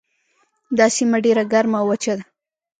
دا سیمه ډیره ګرمه او وچه ده.